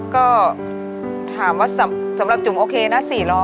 ก็ถามว่าสำหรับจุ๋มโอเคนะ๔๐๐